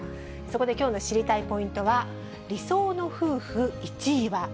そこできょうの知りたいポイントは、理想の夫婦１位は。